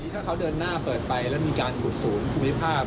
ถ้าเขาเดินหน้าเปิดไปแล้วมีการกดสูงคุณภาพ